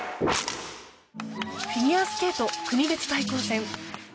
フィギュアスケート国別対抗戦。